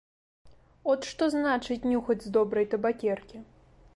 От што значыць нюхаць з добрай табакеркі!